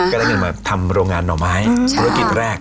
ได้เงินมาทำโรงงานหน่อไม้ธุรกิจแรก